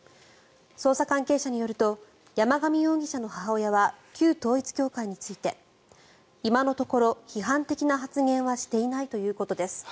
捜査関係者によると山上容疑者の母親は旧統一教会について今のところ批判的な発言はしていないということです。